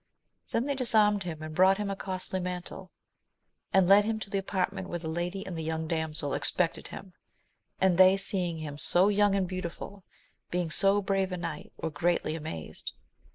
Then they disarmed him, and brought him a costly mantle, and led him to the apartment where the lady and the young damsel expected him, and they seeing him so young and beautiful, being so brave a knight, were greatly amazed.